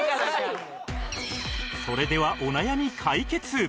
それではお悩み解決